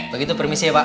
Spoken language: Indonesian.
begitu permisi ya pak